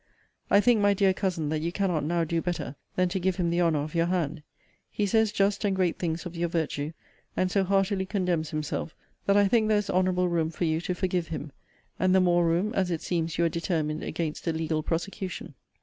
I think, my dear Cousin, that you cannot now do better than to give him the honour of your hand. He says just and great things of your virtue, and so heartily condemns himself, that I think there is honorable room for you to forgive him: and the more room, as it seems you are determined against a legal prosecution.